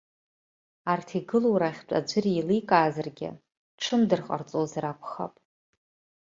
Арҭ игылоу рахьтә аӡәыр еиликаазаргьы, ҽымдыр ҟарҵозар акәхап.